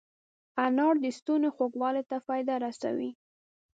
انار د ستوني خوږوالي ته فایده رسوي.